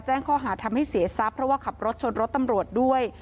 แจ้งข้อหาทำให้เสียทรัพย์เพราะว่าขับรถชนรถตำรวจด้วย